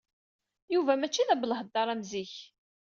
Yuba mačči d abelheddar am zik.